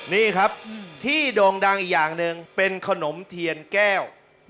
นี่ครับที่โด่งดังอีกอย่างหนึ่งเป็นขนมเทียนแก้ว